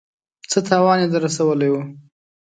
څه تاوان يې در رسولی و.